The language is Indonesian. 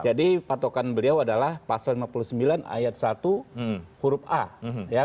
jadi patokan beliau adalah pasal lima puluh sembilan ayat satu huruf a